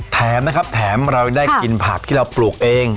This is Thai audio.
แถมนะครับแถมเรายังได้กินผักที่เราปลูกเอง